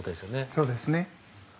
◆そうですね。